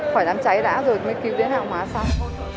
khỏi làm cháy đã rồi mới cứu đến hạng hóa sau